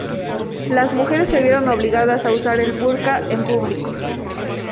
Las mujeres se vieron obligadas a usar el burka en público.